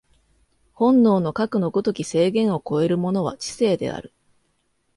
本能のかくの如き制限を超えるものは知性である。